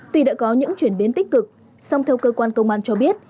tuy đã có những chuyển biến tích cực song theo cơ quan công an cho biết